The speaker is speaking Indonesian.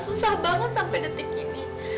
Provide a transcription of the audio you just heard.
susah banget sampai detik ini